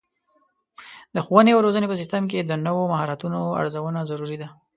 د ښوونې او روزنې په سیستم کې د نوو مهارتونو ارزونه ضروري ده.